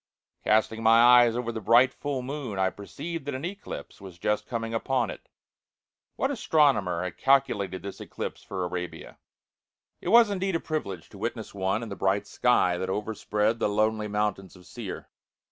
Casting my eyes over the bright, full moon, I perceived that an eclipse was just coming upon it. What astronomer had calculated this eclipse for Arabia? It was indeed a privilege to witness one in the bright sky that over spread the lonely mountains of Seir.